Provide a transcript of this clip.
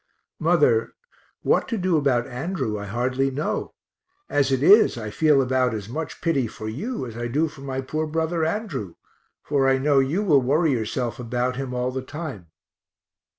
Mother, what to do about Andrew I hardly know as it is I feel about as much pity for you as I do for my poor brother Andrew, for I know you will worry yourself about him all the time.